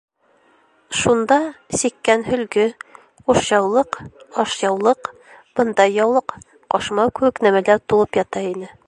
Шунда сиккән һөлгө, ҡушъяулыҡ, ашъяулыҡ, бындай яулыҡ, ҡашмау кеүек нәмәләр тулып ята ине.